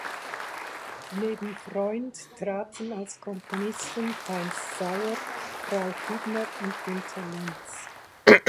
Neben Freund traten als Komponisten Heinz Sauer, Ralf Hübner und Günter Lenz.